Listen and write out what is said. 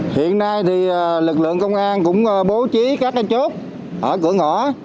hiện nay thì lực lượng công an cũng bố trí các cái chốt ở cửa ngõ